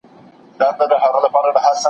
د چمتوالي قانون بریالیتوب زیاتوي.